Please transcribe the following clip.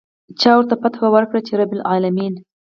چا ورته فتحه ورکړه چې رب العلمين.